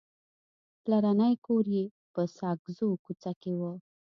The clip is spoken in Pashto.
پلرنی کور یې په ساګزو کوڅه کې و.